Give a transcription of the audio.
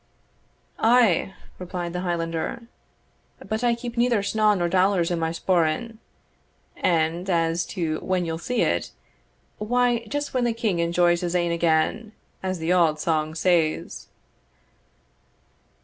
"Ay," replied the Highlander, "but I keep neither snaw nor dollars in my sporran. And as to when you'll see it why, just when the king enjoys his ain again, as the auld sang says."